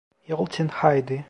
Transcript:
Yol tenha idi.